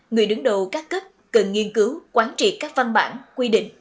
người đứng đầu các cấp cần nghiên cứu quán trị các văn bản quy định